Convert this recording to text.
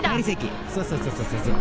そうそうそうそう。